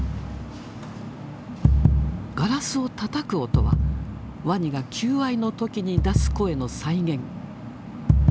ガラスをたたく音はワニが求愛の時に出す声の再現。